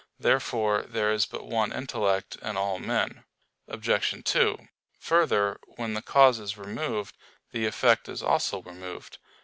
Therefore there is but one intellect in all men. Obj. 2: Further, when the cause is removed, the effect is also removed.